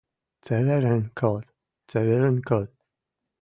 Цеверӹн код, цеверӹн код